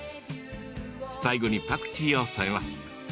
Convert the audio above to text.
最後にパクチーを添えます。